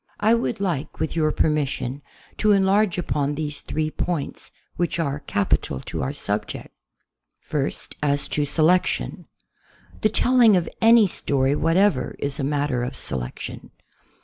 1 would like, with your permission, to enlarge upon these three points which are capital to our subject. First, as to selection. The telling of any story what ever is a matter of selection.